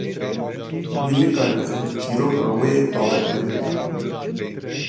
Wî nikarî xwe bi çîroka wê bawerkirin bida.